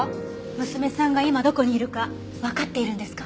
娘さんが今どこにいるかわかっているんですか？